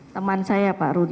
teman saya pak rudi